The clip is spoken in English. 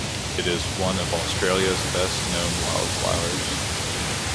It is one of Australia's best known wildflowers.